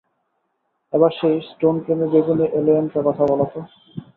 এবার সেই স্টোনপ্রেমী বেগুনি এলিয়েনটার কথা বলো তো।